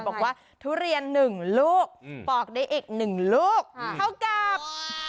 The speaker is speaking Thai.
บอกว่าทุเรียน๑ลูกปลอกได้อีก๑ลูกเขากับ